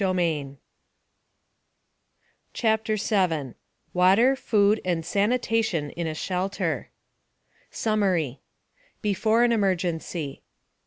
CHAPTER 7 WATER, FOOD, AND SANITATION IN A SHELTER SUMMARY BEFORE AN EMERGENCY 1.